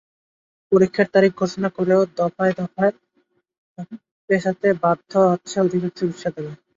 পরীক্ষার তারিখ ঘোষণা করেও দফা দফায় পেছাতে বাধ্য হচ্ছে অধিকাংশ বিশ্ববিদ্যালয়।